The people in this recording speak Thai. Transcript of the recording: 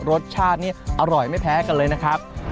รสชาตินี่อร่อยไม่แพ้กันเลยนะครับ